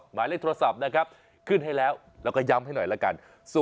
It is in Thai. หมายเลขโทรศัพท์นะครับขึ้นให้แล้วแล้วก็ย้ำให้หน่อยละกัน